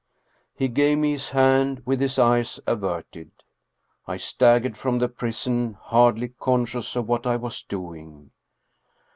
He gave me his hand with his eyes averted. I staggered from the prison, hardly conscious of what I was doing.